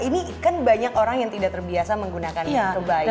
ini kan banyak orang yang tidak terbiasa menggunakan kebaya